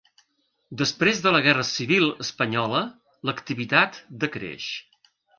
Després de la Guerra Civil espanyola, l'activitat decreix.